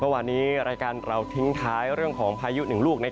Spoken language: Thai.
วันนี้รายการเราทิ้งท้ายเรื่องของพายุหนึ่งลูก